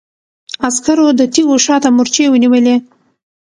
عسکرو د تيږو شا ته مورچې ونيولې.